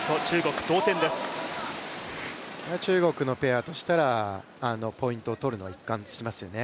中国のペアとしたら、ポイントを取るのは、一貫していますよね。